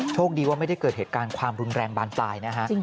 โชคดีว่าไม่ได้เกิดเหตุการณ์ความรุนแรงบานปลายนะฮะ